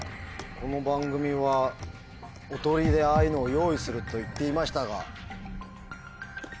この番組はおとりでああいうのを用意すると言っていましたが。